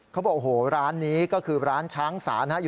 เธอบอกโอโหร้านนี้ก็คือร้านช้างสาร